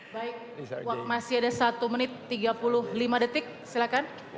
baik masih ada satu menit tiga puluh lima detik silakan